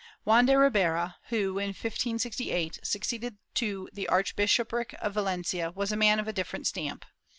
Juan de Ribera who, in 1568, succeeded to the archbishopric of Valencia was a man of different stamp.